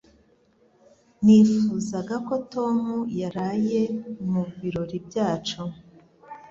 Nifuzaga ko Tom yaraye mu birori byacu.